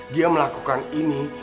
dia melakukan ini